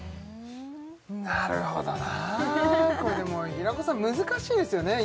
なるほどなこれでも平子さん難しいですよね